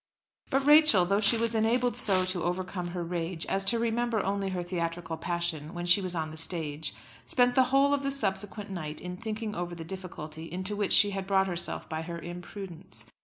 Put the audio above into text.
But Rachel, though she was enabled so to overcome her rage as to remember only her theatrical passion when she was on the stage, spent the whole of the subsequent night in thinking over the difficulty into which she had brought herself by her imprudence.